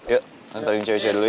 yuk anterin coy coy dulu yuk